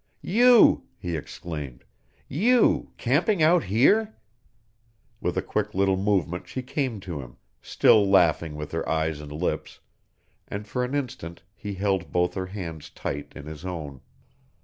"You!" he exclaimed. "You camping out here!" With a quick little movement she came to him, still laughing with her eyes and lips, and for an instant he held both her hands tight in his own.